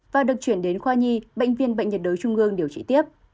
và được chuyển đến khoa nhi bệnh viên bệnh nhiệt đối trung gương điều trị tiếp